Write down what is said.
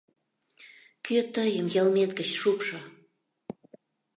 Кӧ тыйым йылмет гыч шупшо!